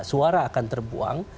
suara akan terbuang